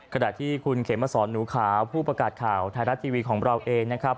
ขณะที่คุณเขมสอนหนูขาวผู้ประกาศข่าวไทยรัฐทีวีของเราเองนะครับ